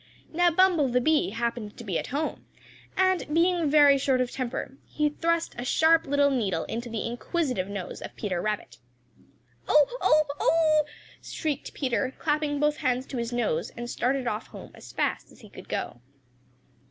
Now Bumble the Bee happened to be at home, and being very short of temper, he thrust a sharp little needle into the inquisitive nose of Peter Rabbit. "Oh! oh! oh!" shrieked Peter, clapping both hands to his nose, and started off home as fast as he could go.